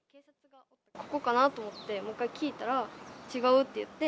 ここかなと思って、もう一回聞いたら、違うって言って。